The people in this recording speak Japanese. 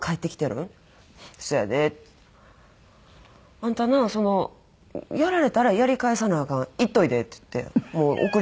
「あんたなそのやられたらやり返さなアカン」「行っといで」って言って送り返されて。